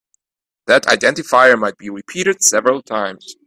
That identifier might be repeated several times.